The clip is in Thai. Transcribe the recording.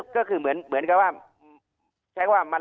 ก็คือเหมือนกันว่า